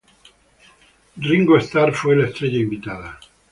Ringo Starr fue la estrella invitada.